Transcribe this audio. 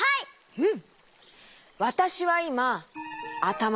うん。